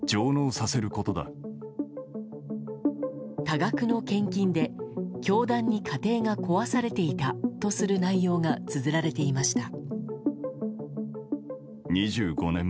多額の献金で、教団に家庭が壊されていたとする内容がつづられていました。